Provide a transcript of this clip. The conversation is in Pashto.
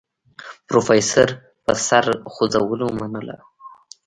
پروفيسر په سر خوځولو ومنله.